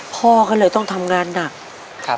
พอก็เลยต้องทำงานหนัก